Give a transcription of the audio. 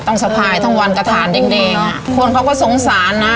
ต้องสะพายทั้งวันกระทานเด็กอ่ะคนเขาก็สงสารน่ะ